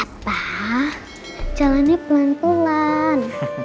papa jalannya pelan pelan